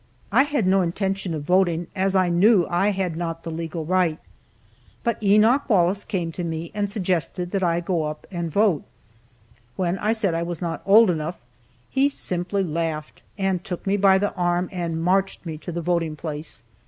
I had no intention of voting, as I knew I had not the legal right, but Enoch Wallace came to me and suggested that I go up and vote. When I said I was not old enough, he simply laughed, and took me by the arm and marched me to the voting place.